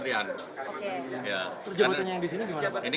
ini kan jabatan portofolio